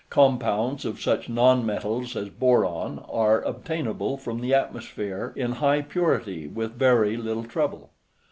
Compounds of such non metals as boron are obtainable from the atmosphere in high purity with very little trouble.